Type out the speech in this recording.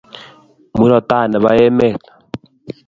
murot Tai nepo emet